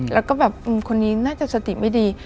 แล้วก็แบบคนนี้น่าจะสติไม่ดี